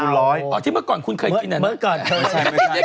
ที่เมื่อก่อนคุณเคยกินอันนี้